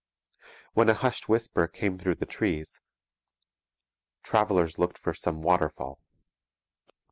When a hushed whisper came through the trees, travellers looked for some waterfall.